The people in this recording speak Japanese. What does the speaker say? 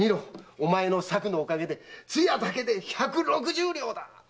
お前の策のおかげで通夜だけで百六十両だ！